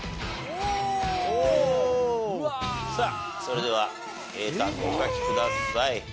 さあそれでは英単語をお書きください。